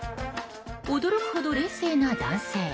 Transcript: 驚くほど冷静な男性。